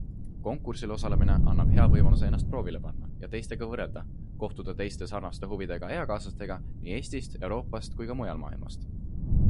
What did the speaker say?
Konkursil osalemine annab hea võimaluse ennast proovile panna ja teistega võrrelda, kohtuda teiste sarnaste huvidega eakaaslastega nii Eestist, Euroopast kui ka mujalt maailmast.